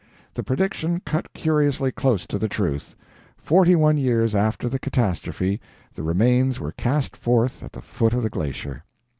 The prediction cut curiously close to the truth; forty one years after the catastrophe, the remains were cast forth at the foot of the glacier.